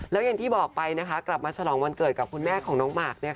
และอย่างที่บอกไปนะคะกลับมาฉลองวันเกิดกับคุณแม่ของน้องมาร์คเนี่ยค่ะ